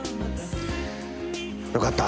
よかった。